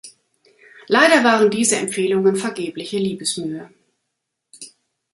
Leider waren diese Empfehlungen vergebliche Liebesmühe.